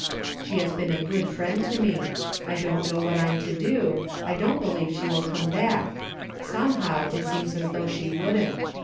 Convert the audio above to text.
" She has been a good friend to me ; I don't know what I'm to do ; I don't believe she will come back ; somehow, it seems as though she wouldn't.